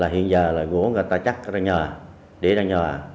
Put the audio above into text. hiện giờ là gỗ người ta chắc đang nhờ đĩa đang nhờ